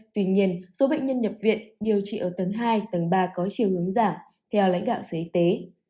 tuy nhiên số bệnh nhân nhập viện điều trị ở tầng hai tầng ba có chiều hướng giảm theo lãnh đạo sở y tế